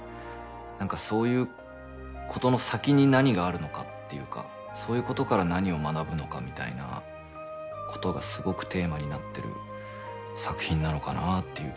何かそういうことの先に何があるのかっていうかそういうことから何を学ぶのかみたいなことがすごくテーマになってる作品なのかなっていう気がして。